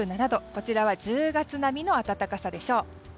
こちらは１０月並みの暖かさでしょう。